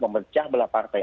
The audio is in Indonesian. bercah belah partai